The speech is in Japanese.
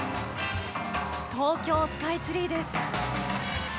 東京スカイツリーです。